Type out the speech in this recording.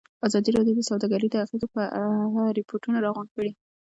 ازادي راډیو د سوداګري د اغېزو په اړه ریپوټونه راغونډ کړي.